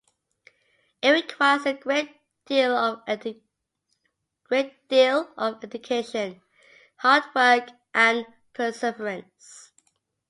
It requires a great deal of dedication, hard work, and perseverance.